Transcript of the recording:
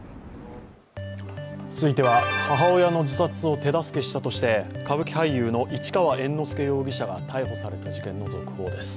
続いては母親の自殺を手助けしたとして、歌舞伎俳優の市川猿之助容疑者が逮捕された事件の続報です。